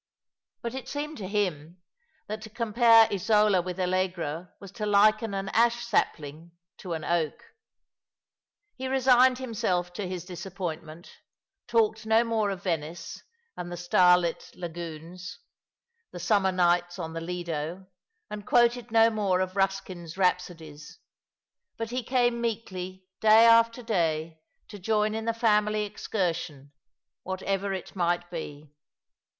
But it seemed to him that to compare Isola with Allegra was to liken an ash sapling to an oak. He resigned himself to his disappointment, talked no more of Venice and the starlit lagunes, the summer nights on the Lido, and quoted no more of Euskin's rhapsodies ; but he came meekly day after day to join in the family excursion, whatever it might be.